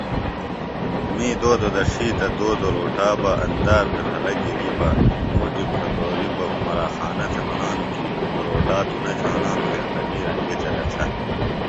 می دودوۡ دڇھی تہ دودوۡ روٹا بہ اندا بھےۡ رھلہ گِریۡ بہ مُٹِم پھتوریۡ بہ عُمرا خانہ تھےۡ منانوۡ کیۡ روٹا توۡ نہ جھانانوۡ ہینتہ می رنگیۡ تھےۡ دڇھہ